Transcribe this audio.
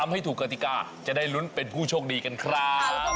ให้ถูกกติกาจะได้ลุ้นเป็นผู้โชคดีกันครับ